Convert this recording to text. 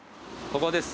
ここです